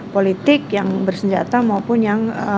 politik yang bersenjata maupun yang